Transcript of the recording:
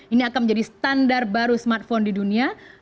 ini akan menjadi standar baru smartphone di dunia